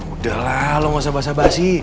udah lah lo gausah basa basi